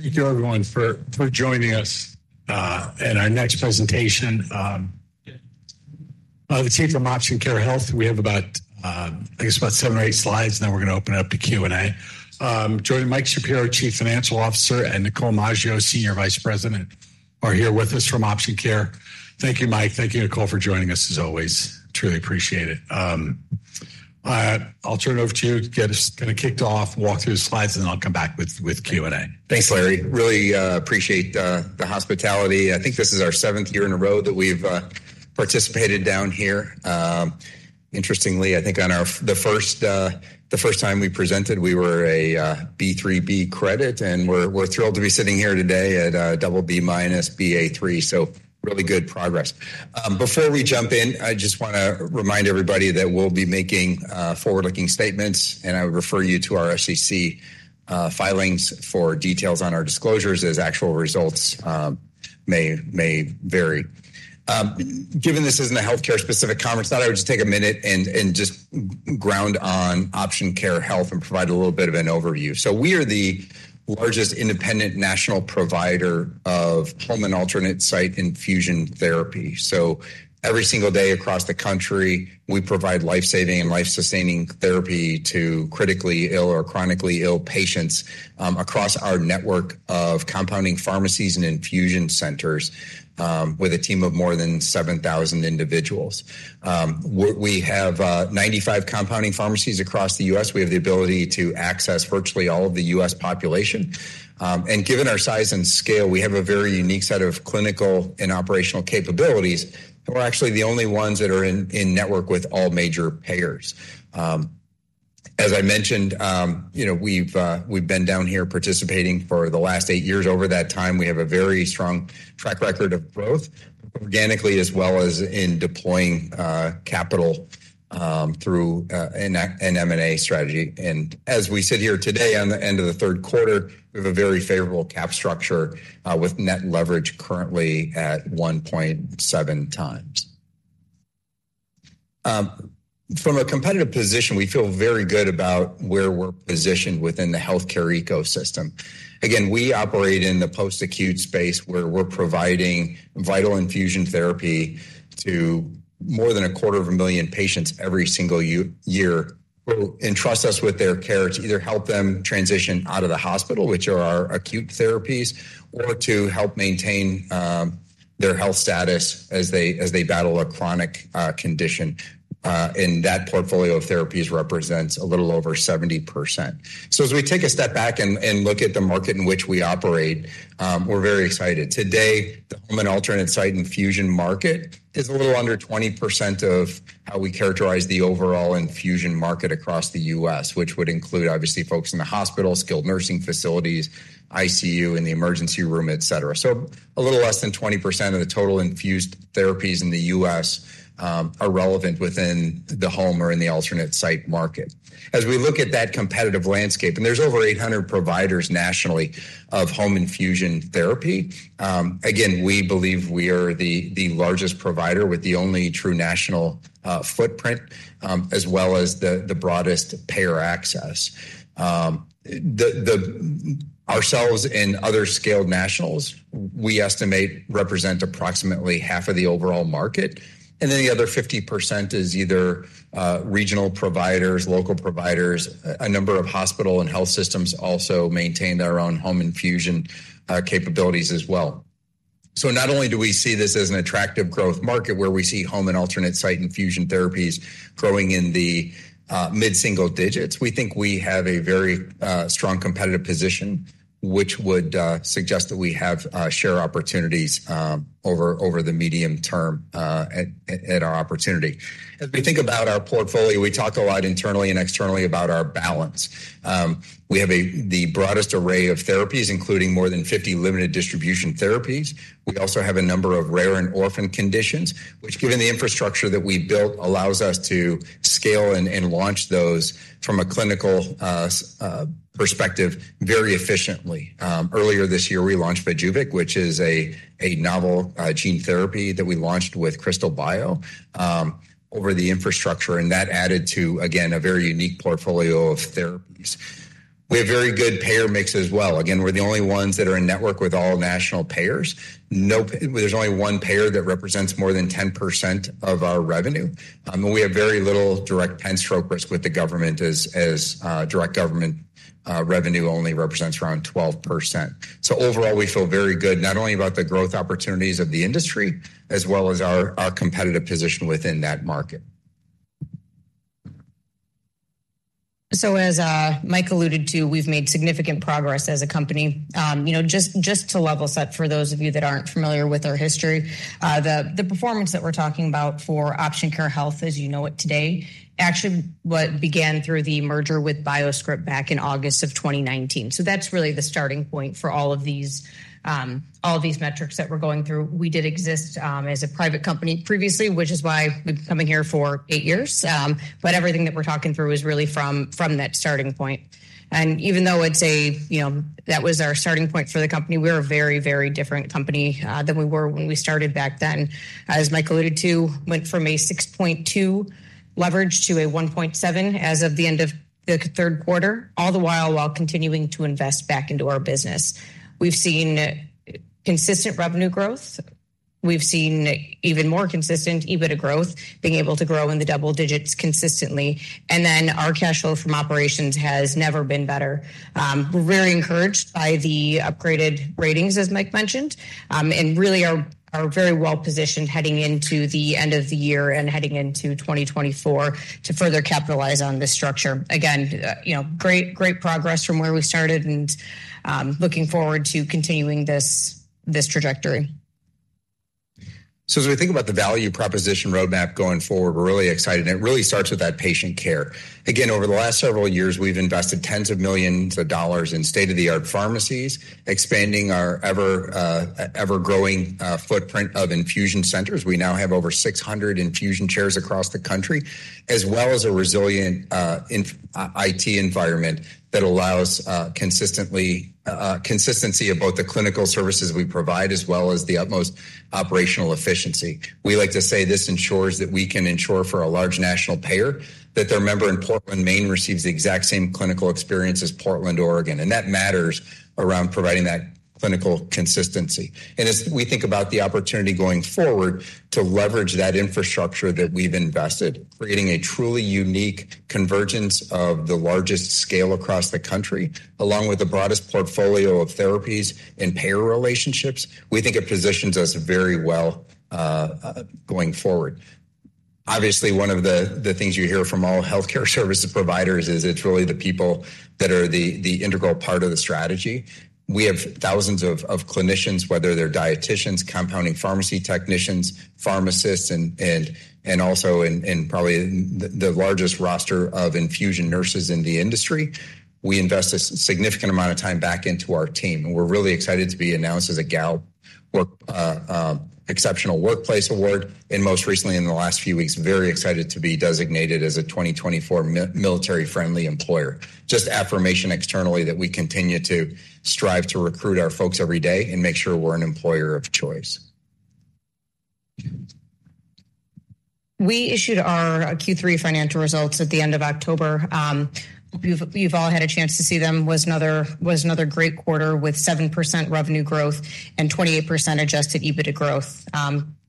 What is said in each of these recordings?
Thank you everyone for joining us. And our next presentation, the team from Option Care Health. We have about, I guess, about seven or eight slides, and then we're going to open it up to Q&A. Joining Mike Shapiro, Chief Financial Officer, and Nicole Maggio, Senior Vice President, are here with us from Option Care. Thank you, Mike. Thank you, Nicole, for joining us as always. Truly appreciate it. I'll turn it over to you to get us kinda kicked off, walk through the slides, and then I'll come back with Q&A. Thanks, Larry. Really appreciate the hospitality. I think this is our seventh year in a row that we've participated down here. Interestingly, I think the first time we presented, we were a B3/B credit, and we're thrilled to be sitting here today at a BB-, Ba3, so really good progress. Before we jump in, I just wanna remind everybody that we'll be making forward-looking statements, and I would refer you to our SEC filings for details on our disclosures as actual results may vary. Given this isn't a healthcare-specific conference, thought I would just take a minute and just ground on Option Care Health and provide a little bit of an overview. So we are the largest independent national provider of home and alternate site infusion therapy. Every single day across the country, we provide life-saving and life-sustaining therapy to critically ill or chronically ill patients across our network of compounding pharmacies and infusion centers with a team of more than 7,000 individuals. We have 95 compounding pharmacies across the U.S. We have the ability to access virtually all of the U.S. population. Given our size and scale, we have a very unique set of clinical and operational capabilities, and we're actually the only ones that are in network with all major payers. As I mentioned, you know, we've been down here participating for the last eight years. Over that time, we have a very strong track record of growth, organically, as well as in deploying capital through an M&A strategy. As we sit here today on the end of the third quarter, we have a very favorable capital structure, with net leverage currently at 1.7 times. From a competitive position, we feel very good about where we're positioned within the healthcare ecosystem. Again, we operate in the post-acute space, where we're providing vital infusion therapy to more than 250,000 patients every single year, who entrust us with their care to either help them transition out of the hospital, which are our acute therapies, or to help maintain their health status as they battle a chronic condition. And that portfolio of therapies represents a little over 70%. So as we take a step back and look at the market in which we operate, we're very excited. Today, the home and alternate site infusion market is a little under 20% of how we characterize the overall infusion market across the U.S., which would include, obviously, folks in the hospital, skilled nursing facilities, ICU, in the emergency room, et cetera. So a little less than 20% of the total infused therapies in the U.S. are relevant within the home or in the alternate site market. As we look at that competitive landscape, and there's over 800 providers nationally of home infusion therapy, again, we believe we are the largest provider with the only true national footprint, as well as the broadest payer access. Ourselves and other scaled nationals, we estimate, represent approximately half of the overall market, and then the other 50% is either regional providers, local providers. A number of hospital and health systems also maintain their own home infusion capabilities as well. So not only do we see this as an attractive growth market where we see home and alternate site infusion therapies growing in the mid-single digits, we think we have a very strong competitive position, which would suggest that we have share opportunities over the medium term at our opportunity. As we think about our portfolio, we talk a lot internally and externally about our balance. We have the broadest array of therapies, including more than 50 limited distribution therapies. We also have a number of rare and orphan conditions, which, given the infrastructure that we built, allows us to scale and launch those from a clinical perspective very efficiently. Earlier this year, we launched VYJUVEK, which is a novel gene therapy that we launched with Krystal Biotech over the infrastructure, and that added to, again, a very unique portfolio of therapies. We have very good payer mix as well. Again, we're the only ones that are in network with all national payers. No—There's only one payer that represents more than 10% of our revenue. And we have very little direct payer risk with the government as direct government revenue only represents around 12%. So overall, we feel very good, not only about the growth opportunities of the industry, as well as our competitive position within that market. So as Mike alluded to, we've made significant progress as a company. You know, just, just to level set for those of you that aren't familiar with our history, the performance that we're talking about for Option Care Health, as you know it today, actually what began through the merger with BioScrip back in August 2019. So that's really the starting point for all of these, all of these metrics that we're going through. We did exist as a private company previously, which is why we've been coming here for eight years. But everything that we're talking through is really from that starting point. And even though it's a, you know, that was our starting point for the company, we're a very, very different company than we were when we started back then. As Mike alluded to, went from a 6.2 leverage to a 1.7 as of the end of the third quarter, all the while continuing to invest back into our business. We've seen consistent revenue growth. We've seen even more consistent EBITDA growth, being able to grow in the double digits consistently, and then our cash flow from operations has never been better. We're really encouraged by the upgraded ratings, as Mike mentioned, and really are very well positioned heading into the end of the year and heading into 2024 to further capitalize on this structure. Again, you know, great, great progress from where we started, and looking forward to continuing this trajectory. So as we think about the value proposition roadmap going forward, we're really excited, and it really starts with that patient care. Again, over the last several years, we've invested tens of millions of dollars in state-of-the-art pharmacies, expanding our ever-growing footprint of infusion centers. We now have over 600 infusion chairs across the country, as well as a resilient IT environment that allows consistency of both the clinical services we provide, as well as the utmost operational efficiency. We like to say this ensures that we can ensure for a large national payer that their member in Portland, Maine, receives the exact same clinical experience as Portland, Oregon, and that matters around providing that clinical consistency. As we think about the opportunity going forward to leverage that infrastructure that we've invested, creating a truly unique convergence of the largest scale across the country, along with the broadest portfolio of therapies and payer relationships, we think it positions us very well going forward. Obviously, one of the things you hear from all healthcare services providers is it's really the people that are the integral part of the strategy. We have thousands of clinicians, whether they're dieticians, compounding pharmacy technicians, pharmacists, and also, and probably the largest roster of infusion nurses in the industry. We invest a significant amount of time back into our team, and we're really excited to be announced as a Gallup Exceptional Workplace Award, and most recently in the last few weeks, very excited to be designated as a 2024 Military Friendly Employer. Just affirmation externally that we continue to strive to recruit our folks every day and make sure we're an employer of choice. We issued our Q3 financial results at the end of October. You've all had a chance to see them. It was another great quarter with 7% revenue growth and 28% Adjusted EBITDA growth.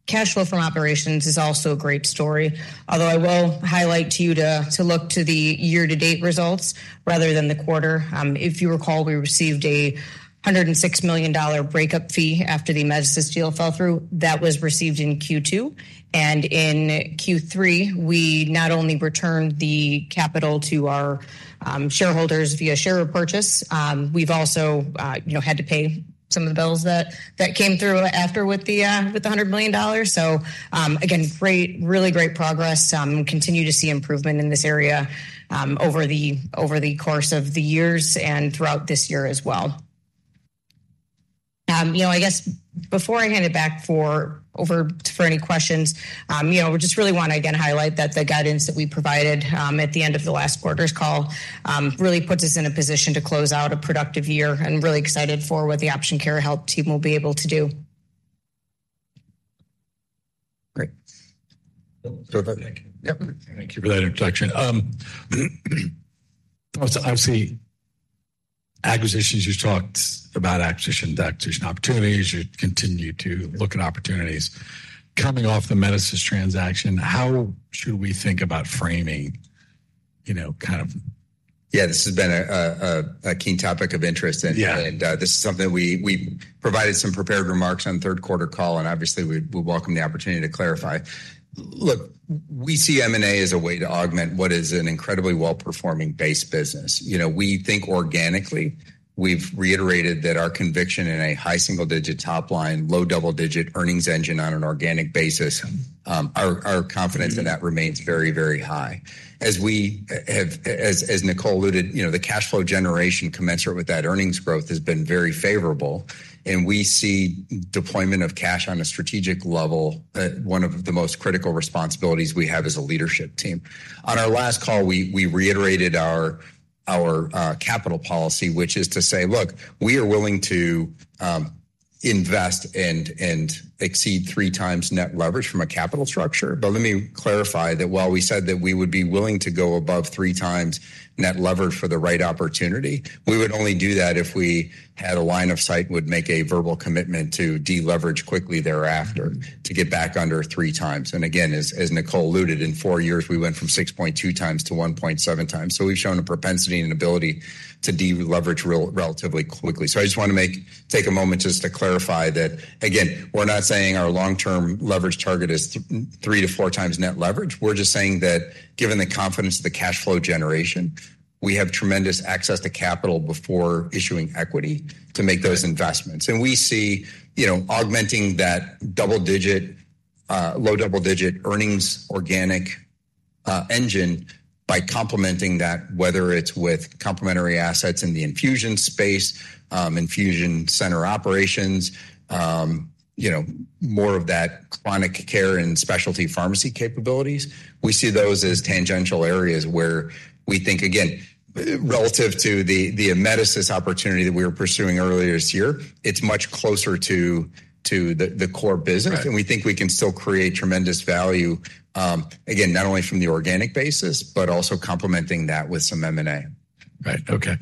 Cash flow from operations is also a great story, although I will highlight to you to look to the year-to-date results rather than the quarter. If you recall, we received a $106 million breakup fee after the Amedisys deal fell through. That was received in Q2, and in Q3, we not only returned the capital to our shareholders via share repurchase, we've also you know had to pay some of the bills that came through after with the $100 million. So, again, great, really great progress. Continue to see improvement in this area, over the course of the years and throughout this year as well. You know, I guess before I hand it back over to for any questions, you know, we just really want to again highlight that the guidance that we provided at the end of the last quarter's call really puts us in a position to close out a productive year. I'm really excited for what the Option Care Health team will be able to do. Great. Thank you. Yep. Thank you for that introduction. So obviously, acquisitions, you talked about acquisition, acquisition opportunities. You continue to look at opportunities. Coming off the Amedisys transaction, how should we think about framing, you know, kind of? Yeah, this has been a key topic of interest- Yeah... and this is something we provided some prepared remarks on third quarter call, and obviously, we welcome the opportunity to clarify. Look, we see M&A as a way to augment what is an incredibly well-performing base business. You know, we think organically. We've reiterated that our conviction in a high single-digit top line, low double-digit earnings engine on an organic basis, our confidence in that remains very, very high. As we have, as Nicole alluded, you know, the cash flow generation commensurate with that earnings growth has been very favorable, and we see deployment of cash on a strategic level, one of the most critical responsibilities we have as a leadership team. On our last call, we reiterated our capital policy, which is to say, look, we are willing to invest and exceed 3x net leverage from a capital structure. But let me clarify that while we said that we would be willing to go above 3x net leverage for the right opportunity, we would only do that if we had a line of sight, would make a verbal commitment to deleverage quickly thereafter, to get back under 3x. Again, as Nicole alluded, in four years, we went from 6.2 times to 1.7 times. So we've shown a propensity and ability to deleverage relatively quickly. So I just want to take a moment just to clarify that, again, we're not saying our long-term leverage target is three-four times net leverage. We're just saying that given the confidence of the cash flow generation, we have tremendous access to capital before issuing equity to make those investments. We see, you know, augmenting that double-digit, low double-digit earnings organic engine by complementing that, whether it's with complementary assets in the infusion space, infusion center operations, you know, more of that chronic care and specialty pharmacy capabilities. We see those as tangential areas where we think, again, relative to the Amedisys opportunity that we were pursuing earlier this year, it's much closer to the core business. Right. We think we can still create tremendous value, again, not only from the organic basis, but also complementing that with some M&A. Right. Okay.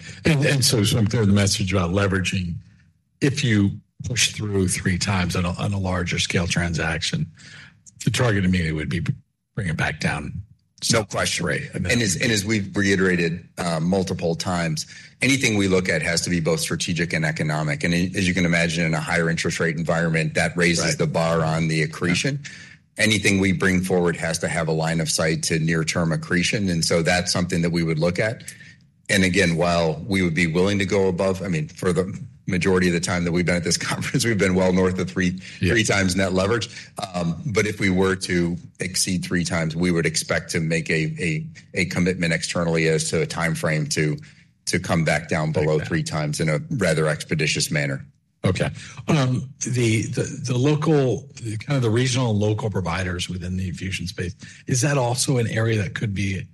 So I'm clear the message about leveraging, if you push through three times on a larger scale transaction, the target immediately would be bringing it back down? No question. Right. And as we've reiterated multiple times, anything we look at has to be both strategic and economic. And as you can imagine, in a higher interest rate environment, that raises- Right -the bar on the accretion. Anything we bring forward has to have a line of sight to near-term accretion, and so that's something that we would look at. And again, while we would be willing to go above, I mean, for the majority of the time that we've been at this conference, we've been well north of three- Yeah -three times net leverage. But if we were to exceed three times, we would expect to make a commitment externally as to a timeframe to come back down below three times in a rather expeditious manner. Okay. The kind of regional and local providers within the infusion space, is that also an area that could be?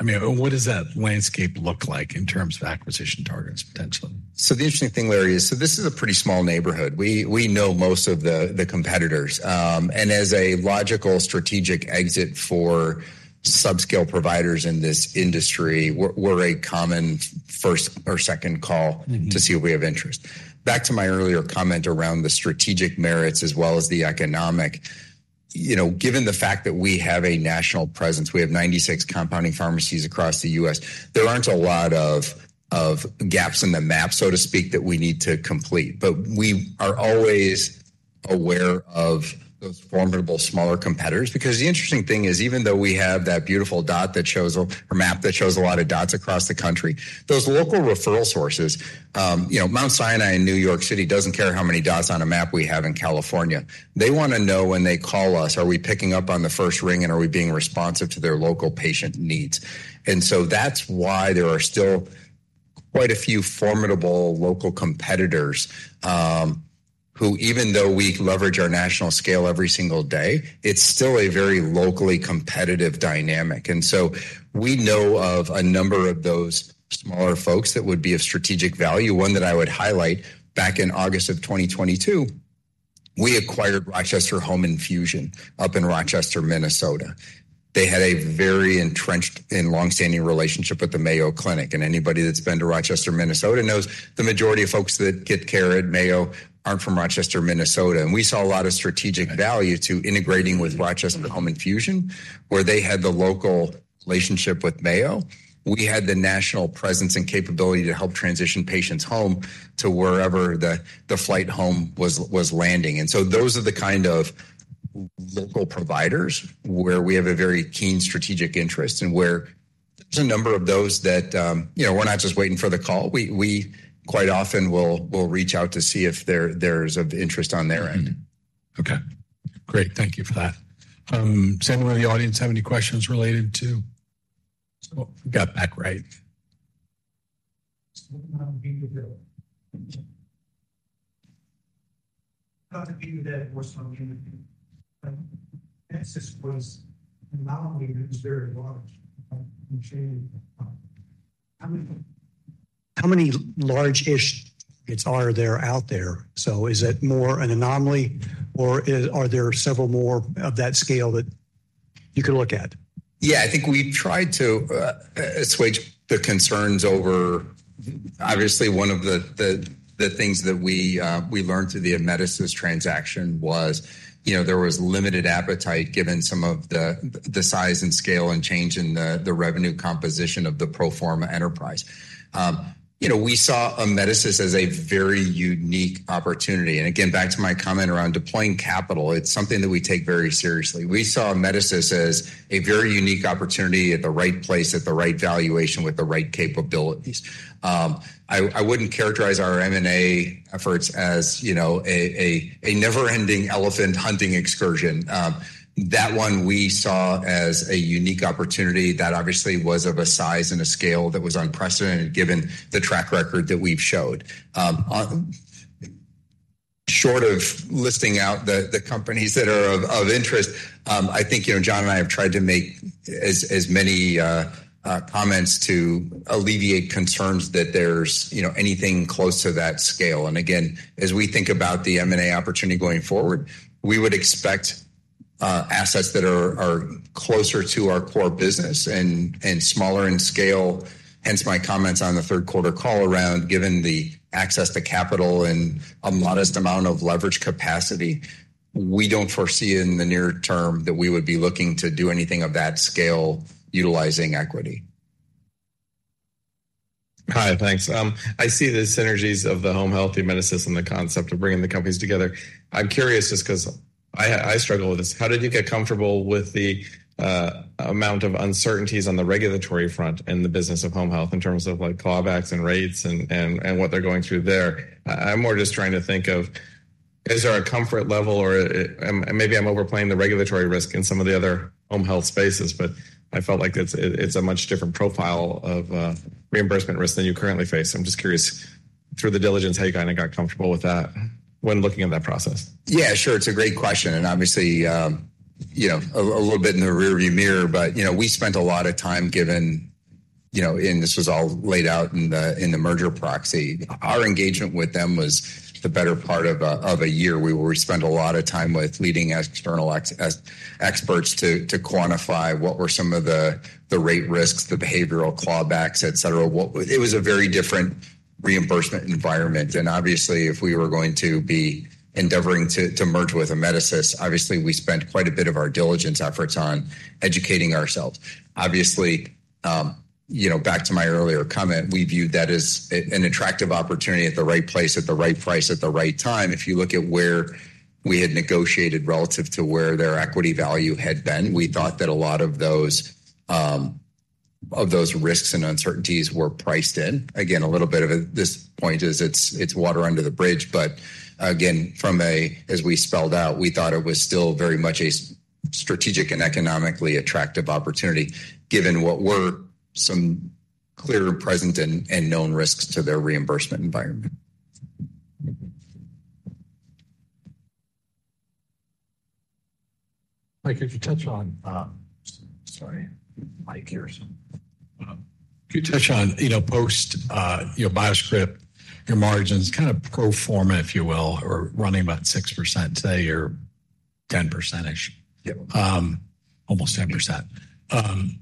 I mean, what does that landscape look like in terms of acquisition targets potentially? So the interesting thing, Larry, is, so this is a pretty small neighborhood. We know most of the competitors. And as a logical strategic exit for subscale providers in this industry, we're a common first or second call to see if we have interest. Back to my earlier comment around the strategic merits as well as the economic, you know, given the fact that we have a national presence, we have 96 compounding pharmacies across the U.S., there aren't a lot of gaps in the map, so to speak, that we need to complete. But we are always aware of those formidable smaller competitors. Because the interesting thing is, even though we have that beautiful dot that shows or a map that shows a lot of dots across the country, those local referral sources, you know, Mount Sinai in New York City doesn't care how many dots on a map we have in California. They want to know when they call us, are we picking up on the first ring, and are we being responsive to their local patient needs? And so that's why there are still quite a few formidable local competitors, who, even though we leverage our national scale every single day, it's still a very locally competitive dynamic. And so we know of a number of those smaller folks that would be of strategic value. One that I would highlight, back in August 2022, we acquired Rochester Home Infusion up in Rochester, Minnesota. They had a very entrenched and long-standing relationship with the Mayo Clinic, and anybody that's been to Rochester, Minnesota, knows the majority of folks that get care at Mayo aren't from Rochester, Minnesota. And we saw a lot of strategic value to integrating with Rochester Home Infusion, where they had the local relationship with Mayo. We had the national presence and capability to help transition patients home to wherever the flight home was landing. And so those are the kind of local providers where we have a very keen strategic interest and where there's a number of those that, you know, we're not just waiting for the call. We quite often will, we'll reach out to see if there's of interest on their end. Okay, great. Thank you for that. Does anyone in the audience have any questions related to... Oh, got back right. The one from Amedisys was an anomaly, and it was very large and challenging. How many large-ish acquisitions are there out there? So is it more an anomaly, or are there several more of that scale that you could look at? Yeah, I think we tried to assuage the concerns over... Obviously, one of the things that we learned through the Amedisys transaction was, you know, there was limited appetite, given some of the size and scale and change in the revenue composition of the pro forma enterprise. You know, we saw Amedisys as a very unique opportunity. And again, back to my comment around deploying capital, it's something that we take very seriously. We saw Amedisys as a very unique opportunity at the right place, at the right valuation, with the right capabilities. I wouldn't characterize our M&A efforts as, you know, a never-ending elephant hunting excursion. That one we saw as a unique opportunity that obviously was of a size and a scale that was unprecedented, given the track record that we've showed. Short of listing out the companies that are of interest, I think, you know, John and I have tried to make as many comments to alleviate concerns that there's, you know, anything close to that scale. And again, as we think about the M&A opportunity going forward, we would expect assets that are closer to our core business and smaller in scale. Hence, my comments on the third quarter call around, given the access to capital and a modest amount of leverage capacity, we don't foresee in the near term that we would be looking to do anything of that scale utilizing equity. Hi, thanks. I see the synergies of the home health, Amedisys, and the concept of bringing the companies together. I'm curious, just because I, I struggle with this: How did you get comfortable with the amount of uncertainties on the regulatory front and the business of home health in terms of, like, clawbacks and rates and, and, and what they're going through there? I'm more just trying to think of, is there a comfort level or, and maybe I'm overplaying the regulatory risk in some of the other home health spaces, but I felt like it's, it's a much different profile of reimbursement risk than you currently face. I'm just curious, through the diligence, how you kind of got comfortable with that when looking at that process? Yeah, sure. It's a great question, and obviously, you know, a little bit in the rearview mirror, but, you know, we spent a lot of time given, you know, and this was all laid out in the merger proxy. Our engagement with them was the better part of a year. We spent a lot of time with leading external experts to quantify what were some of the rate risks, the behavioral clawbacks, et cetera. It was a very different reimbursement environment, and obviously, if we were going to be endeavoring to merge with Amedisys, obviously we spent quite a bit of our diligence efforts on educating ourselves. Obviously, you know, back to my earlier comment, we viewed that as an attractive opportunity at the right place, at the right price, at the right time. If you look at where we had negotiated relative to where their equity value had been, we thought that a lot of those of those risks and uncertainties were priced in. Again, a little bit of this point is it's water under the bridge, but again, from as we spelled out, we thought it was still very much a strategic and economically attractive opportunity, given what were some clear and present and known risks to their reimbursement environment. Mike, could you touch on, Sorry, Mike Harrison. Could you touch on, you know, post, you know, BioScrip, your margins kind of pro forma, if you will, are running about 6% today or 10%? Yep. Almost 10%.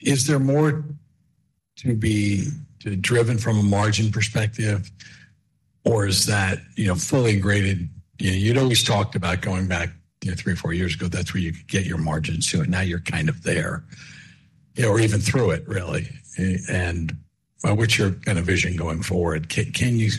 Is there more to be driven from a margin perspective, or is that, you know, fully graded? You know, you'd always talked about going back, you know, three or four years ago, that's where you could get your margins to, and now you're kind of there, or even through it, really. And what's your kind of vision going forward? Can you-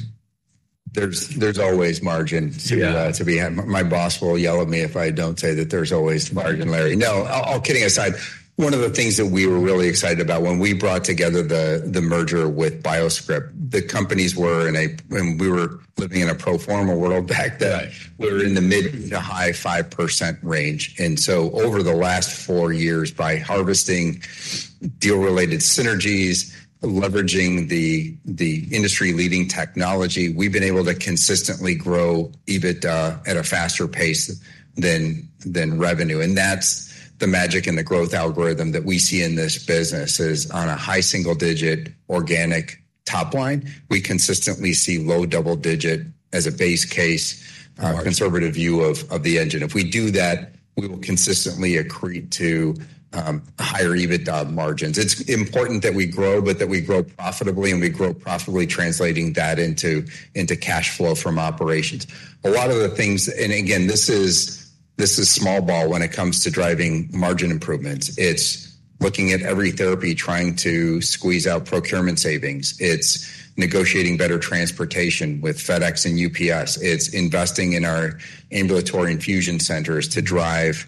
There's always margin- Yeah... to, to be had. My boss will yell at me if I don't say that there's always margin, Larry. No, all kidding aside, one of the things that we were really excited about when we brought together the merger with BioScrip, the companies were in a when we were living in a pro forma world back then- Right... we were in the mid- to high-5% range. And so over the last four years, by harvesting deal-related synergies, leveraging the industry-leading technology, we've been able to consistently grow EBITDA at a faster pace than revenue. And that's the magic and the growth algorithm that we see in this business is on a high single-digit organic top line. We consistently see low double-digit as a base case- Right... conservative view of the engine. If we do that, we will consistently accrete to higher EBITDA margins. It's important that we grow, but that we grow profitably, and we grow profitably translating that into cash flow from operations. A lot of the things, and again, this is small ball when it comes to driving margin improvements. It's looking at every therapy, trying to squeeze out procurement savings. It's negotiating better transportation with FedEx and UPS. It's investing in our ambulatory infusion centers to drive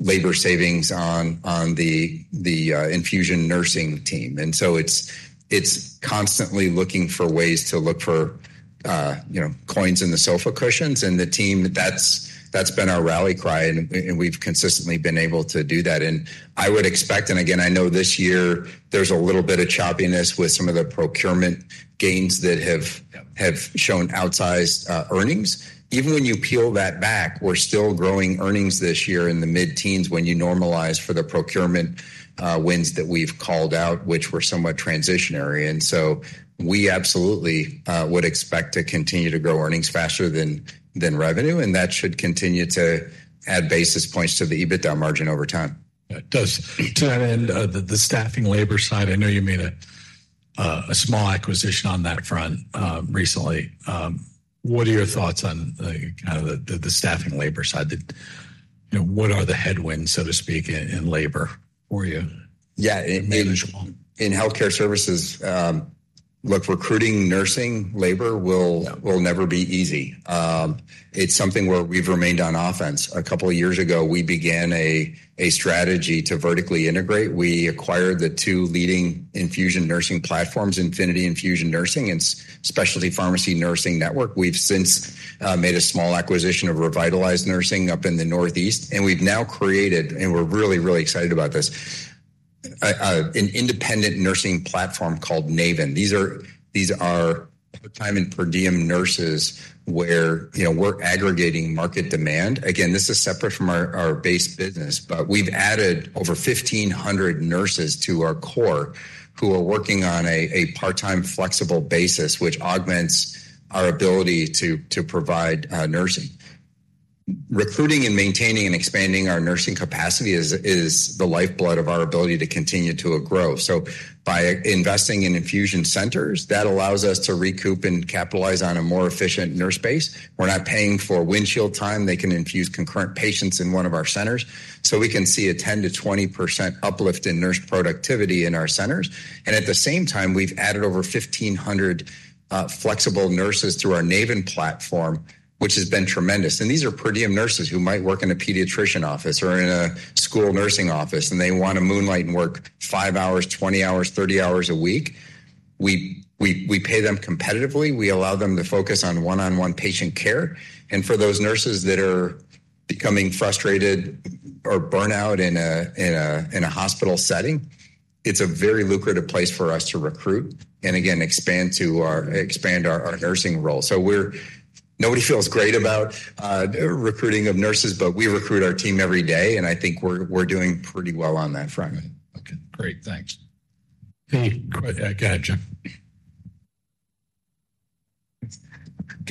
labor savings on the infusion nursing team. And so it's constantly looking for ways to look for, you know, coins in the sofa cushions, and the team, that's been our rally cry, and we've consistently been able to do that. I would expect, and again, I know this year there's a little bit of choppiness with some of the procurement gains that have- Yeah... have shown outsized earnings. Even when you peel that back, we're still growing earnings this year in the mid-teens when you normalize for the procurement wins that we've called out, which were somewhat transitory. And so we absolutely would expect to continue to grow earnings faster than revenue, and that should continue to add basis points to the EBITDA margin over time. To that end, the staffing labor side, I know you made a small acquisition on that front recently. What are your thoughts on kind of the staffing labor side? You know, what are the headwinds, so to speak, in labor for you? Yeah, in- Manageable. In healthcare services, look, recruiting nursing labor will- Yeah... will never be easy. It's something where we've remained on offense. A couple of years ago, we began a strategy to vertically integrate. We acquired the two leading infusion nursing platforms, Infinity Infusion Nursing, and Specialty Pharmacy Nursing Network. We've since made a small acquisition of Revitalize Nursing up in the Northeast, and we've now created, and we're really, really excited about this, an independent nursing platform called Naven. These are part-time and per diem nurses where, you know, we're aggregating market demand. Again, this is separate from our base business, but we've added over 1,500 nurses to our core who are working on a part-time, flexible basis, which augments our ability to provide nursing. Recruiting and maintaining and expanding our nursing capacity is the lifeblood of our ability to continue to grow. So by investing in infusion centers, that allows us to recoup and capitalize on a more efficient nurse base. We're not paying for windshield time. They can infuse concurrent patients in one of our centers, so we can see a 10%-20% uplift in nurse productivity in our centers. And at the same time, we've added over 1,500 flexible nurses through our Naven platform, which has been tremendous. And these are per diem nurses who might work in a pediatrician office or in a school nursing office, and they wanna moonlight and work five hours, 20 hours, 30 hours a week. We pay them competitively. We allow them to focus on one-on-one patient care, and for those nurses that are becoming frustrated or burnt out in a hospital setting, it's a very lucrative place for us to recruit and again, expand to our- Right... expand our, our nursing role. So we're. Nobody feels great about recruiting of nurses, but we recruit our team every day, and I think we're, we're doing pretty well on that front. Okay, great. Thanks. Hey, go ahead, John.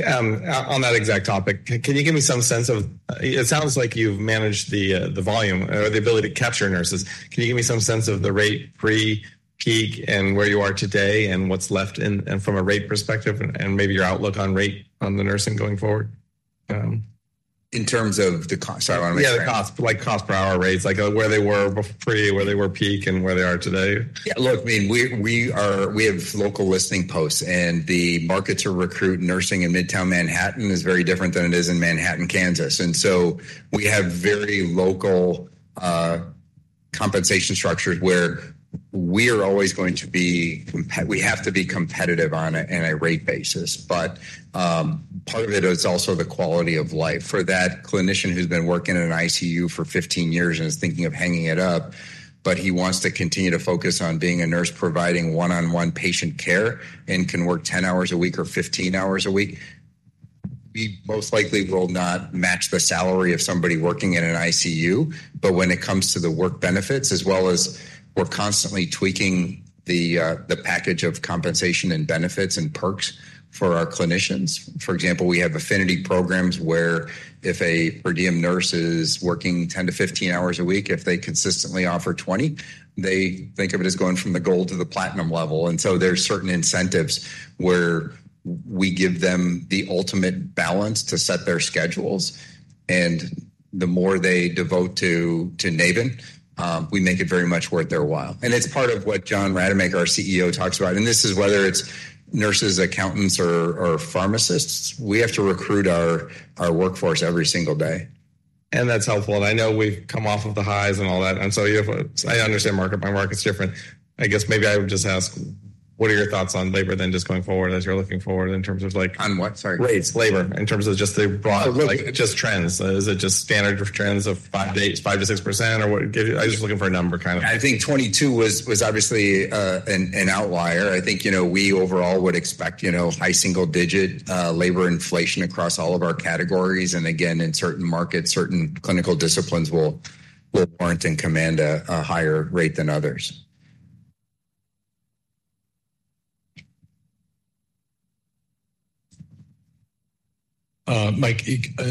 On that exact topic, can you give me some sense of— It sounds like you've managed the volume or the ability to capture nurses. Can you give me some sense of the rate pre-peak and where you are today, and what's left in, and from a rate perspective, and maybe your outlook on rate on the nursing going forward? In terms of the cost? Sorry, I wanna make sure. Yeah, the cost, like, cost per hour rates, like, where they were pre, where they were peak, and where they are today. Yeah, look, I mean, we have local listing posts, and the market to recruit nursing in Midtown Manhattan is very different than it is in Manhattan, Kansas. And so we have very local compensation structures where we are always going to be competitive on a rate basis. But part of it is also the quality of life. For that clinician who's been working in an ICU for 15 years and is thinking of hanging it up, but he wants to continue to focus on being a nurse, providing one-on-one patient care, and can work 10 hours a week or 15 hours a week, we most likely will not match the salary of somebody working in an ICU. But when it comes to the work benefits, as well as we're constantly tweaking the package of compensation and benefits and perks for our clinicians. For example, we have affinity programs where if a per diem nurse is working 10-15 hours a week, if they consistently offer 20, they think of it as going from the gold to the platinum level. And so there's certain incentives where we give them the ultimate balance to set their schedules, and the more they devote to Naven, we make it very much worth their while. And it's part of what John Rademacher, our CEO, talks about. And this is whether it's nurses, accountants, or pharmacists, we have to recruit our workforce every single day. That's helpful, and I know we've come off of the highs and all that, and so, I understand market by market's different. I guess maybe I would just ask, what are your thoughts on labor then, just going forward, as you're looking forward in terms of like- On what, sorry? Rates, labor, in terms of just the broad, like, just trends. Is it just standard trends of 5%-8%, 5%-6%, or what gives you? I'm just looking for a number, kind of. I think 22 was obviously an outlier. I think, you know, we overall would expect, you know, high single-digit labor inflation across all of our categories, and again, in certain markets, certain clinical disciplines will warrant and command a higher rate than others. Mike,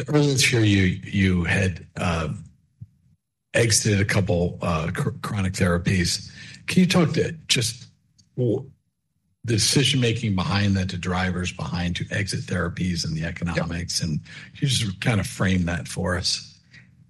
earlier this year, you had exited a couple chronic therapies. Can you talk to just what the decision-making behind that, the drivers behind to exit therapies and the economics? Yeah. Can you just kind of frame that for us?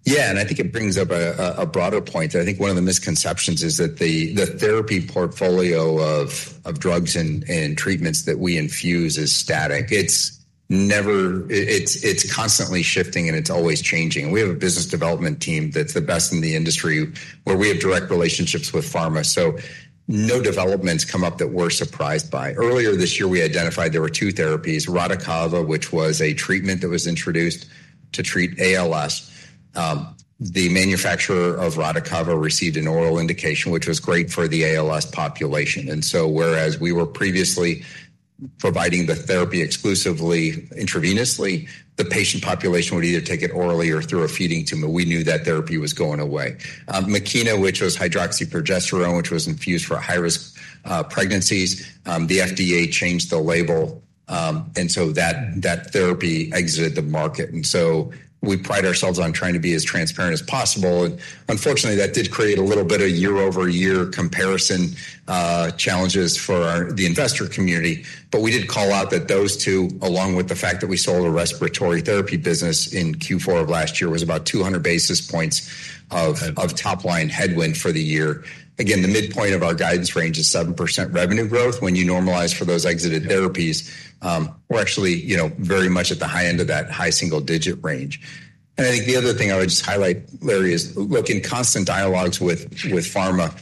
Yeah, and I think it brings up a broader point. I think one of the misconceptions is that the therapy portfolio of drugs and treatments that we infuse is static. It's never. It's constantly shifting, and it's always changing. We have a business development team that's the best in the industry, where we have direct relationships with pharma, so no developments come up that we're surprised by. Earlier this year, we identified there were two therapies. RADICAVA, which was a treatment that was introduced to treat ALS. The manufacturer of RADICAVA received an oral indication, which was great for the ALS population. And so whereas we were previously providing the therapy exclusively intravenously, the patient population would either take it orally or through a feeding tube, and we knew that therapy was going away. Makena, which was hydroxyprogesterone, which was infused for high-risk pregnancies, the FDA changed the label, and so that therapy exited the market. And so we pride ourselves on trying to be as transparent as possible, and unfortunately, that did create a little bit of year-over-year comparison challenges for the investor community. But we did call out that those two, along with the fact that we sold a respiratory therapy business in Q4 of last year, was about 200 basis points of- Right... of top-line headwind for the year. Again, the midpoint of our guidance range is 7% revenue growth. When you normalize for those exited therapies, we're actually, you know, very much at the high end of that high single-digit range. And I think the other thing I would just highlight, Larry, is, look, in constant dialogues with pharma,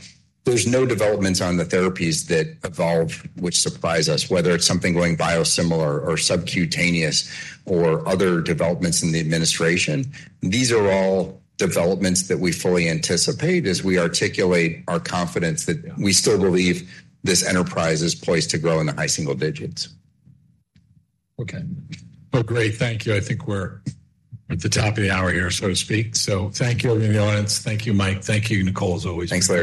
there's no developments on the therapies that evolve, which surprise us, whether it's something going biosimilar or subcutaneous or other developments in the administration. These are all developments that we fully anticipate as we articulate our confidence that- Yeah... we still believe this enterprise is poised to grow into high single digits. Okay. Well, great. Thank you. I think we're at the top of the hour here, so to speak. Thank you, everyone in the audience. Thank you, Mike. Thank you, Nicole, as always. Thanks, Larry.